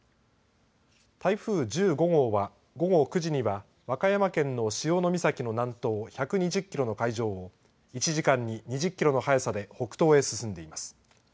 台風１５号は、午後９時には和歌山県の潮岬の南東１２０キロの海上を１時間に２０キロの速さで北東へ進んでいます。